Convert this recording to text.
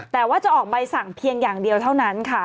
แต่ว่าจะออกใบสั่งเพียงอย่างเดียวเท่านั้นค่ะ